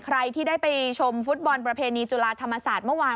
ใครที่ได้ไปชมฟุตบอลประเพณีจุฬาธรรมศาสตร์เมื่อวาน